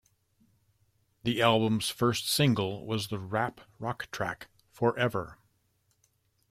The album's first single was the rap rock track "Forever".